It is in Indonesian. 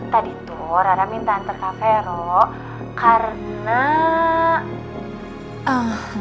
tadi tuh rara minta hantar kak vero karena